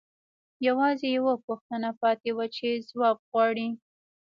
یوازې یوه پوښتنه پاتې وه چې ځواب غواړي